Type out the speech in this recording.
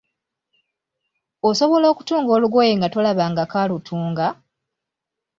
Osobola okutunga olugoye nga tolabanga ko alutunga?